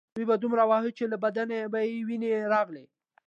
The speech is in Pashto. دوی به دومره واهه چې له بدن به یې وینې راغلې